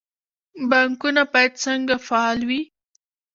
بانکونه باید څنګه فعال وي؟